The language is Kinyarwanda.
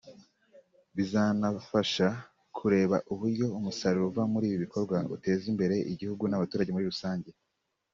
bizanafasha kureba uburyo umusaruro uva muri ibi bikorwa uteza imbere igihugu n’abaturage muri rusange’’